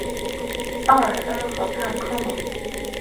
奥尔恩河畔科蒙。